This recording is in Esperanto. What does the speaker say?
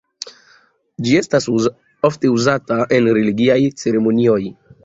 Ĝi estas ofte uzata en religiaj ceremonioj.